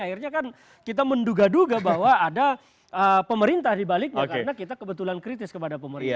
akhirnya kan kita menduga duga bahwa ada pemerintah dibaliknya karena kita kebetulan kritis kepada pemerintah